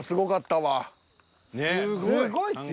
すごいっすよ。